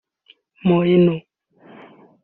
Moreno